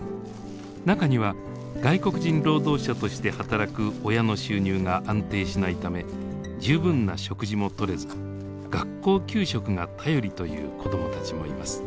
中には外国人労働者として働く親の収入が安定しないため十分な食事もとれず学校給食が頼りという子どもたちもいます。